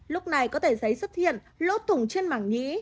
lúc này có thể giấy xuất hiện lỗ thủng trên màng nhĩ